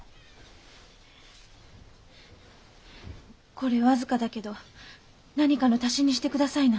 これ僅かだけど何かの足しにして下さいな。